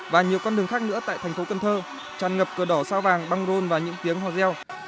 và nhiều con đường khác nữa tại thành phố cần thơ tràn ngập cửa đỏ sao vàng băng rôn và những tiếng hò reo